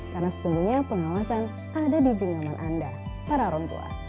karena sesungguhnya pengawasan ada di dunia aman anda para orang tua